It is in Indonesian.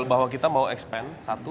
bahwa kita mau expen satu